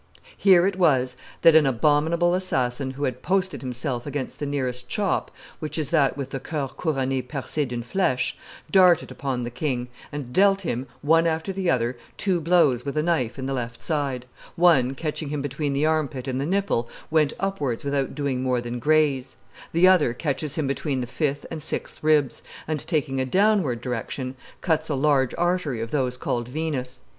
Here it was that an abominable assassin, who had posted himself against the nearest shop, which is that with the Coeur couronng perce d'une fleche, darted upon the king, and dealt him, one after the other, two blows with a knife in the left side; one, catching him between the armpit and the nipple, went upwards without doing more than graze; the other catches him between the fifth and sixth ribs, and, taking a downward direction, cuts a large artery of those called venous.